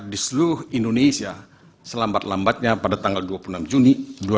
di seluruh indonesia selambat lambatnya pada tanggal dua puluh enam juni dua ribu dua puluh